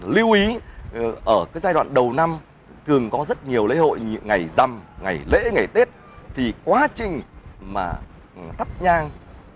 lưu ý ở cái giai đoạn đầu năm thường có rất nhiều lễ hội ngày dăm ngày lễ ngày tết thì quá trình mà thắp nhang